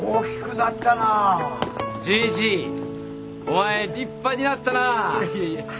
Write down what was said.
お前立派になったな。